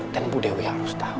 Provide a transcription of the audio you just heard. dan bu dewi harus tau